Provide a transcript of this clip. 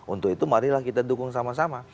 untuk itu marilah kita dukung sama sama